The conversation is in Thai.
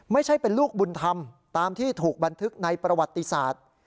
ไม่ใช่เป็นลูกบุญธรรมตามที่ถูกบันทึกในประวัติศาสตร์